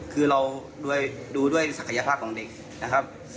คือเราดูด้วยศักยภาพของเด็กนะครับ